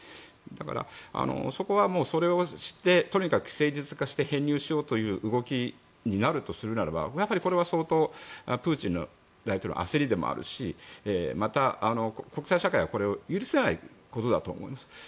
だから、そこはそれをしてとにかく既成事実化して編入しようという動きになるならこれは相当プーチン大統領の焦りでもあるしまた、国際社会はこれを許さないと思うんです。